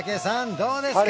どうですか？